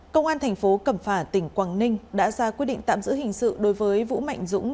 công an thành phố cẩm phả tỉnh quảng ninh đã ra quyết định tạm giữ hình sự đối với vũ mạnh dũng